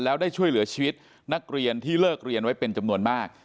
แล้วได้ช่วยเหลือชีวิตนักเรียนที่เลิกเรียนไว้เป็นจำนวนมาก